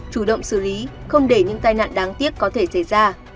chủ động xử lý không để những tai nạn đáng tiếc có thể xảy ra